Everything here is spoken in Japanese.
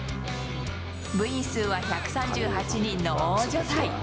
部員数は１３８人の大所帯。